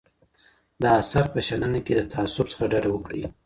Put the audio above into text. د اثر په شننه کي له تعصب څخه ډډه وکړئ.